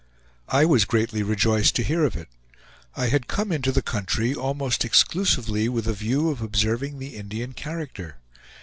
I was greatly rejoiced to hear of it. I had come into the country almost exclusively with a view of observing the Indian character.